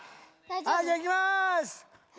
はいじゃいきます。